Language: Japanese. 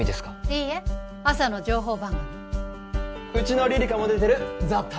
いいえ朝の情報番組うちのリリカも出てる「ＴＨＥＴＩＭＥ，」